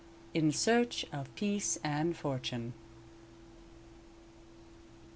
IN SEARCH OF PEACE AND FORTUNE.